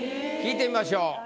聞いてみましょう。